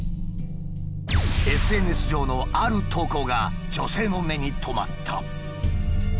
ＳＮＳ上のある投稿が女性の目に留まった。